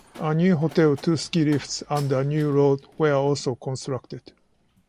A new hotel, two ski lifts, and a new road were also constructed.